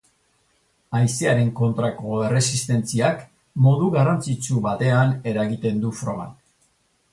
Haizearen kontrako erresistentziak modu garrantzitsu batean eragiten du frogan.